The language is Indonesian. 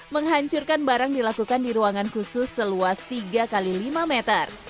menghancurkan barang dilakukan di ruangan khusus seluas tiga x lima meter